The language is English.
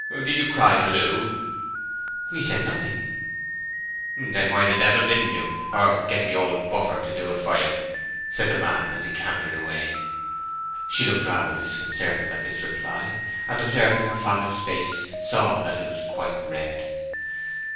"Did you cry Halloo?" "We said nothing." "Then why the d—— didn't you, or get the old buffer to do it for you?" said the man, as he cantered away. She looked rather disconcerted at this reply, and observing her father's face, saw that it was quite red.